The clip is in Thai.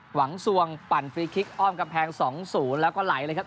สวงปั่นฟรีคลิกอ้อมกำแพง๒๐แล้วก็ไหลเลยครับ